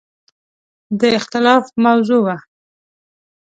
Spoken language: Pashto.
د اختلاف موضوع وه.